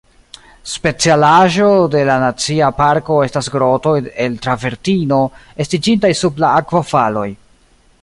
Specialaĵo de la nacia parko estas grotoj el travertino, estiĝintaj sub la akvofaloj.